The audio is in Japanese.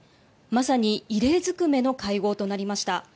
まさに異例づくめの会合となりました。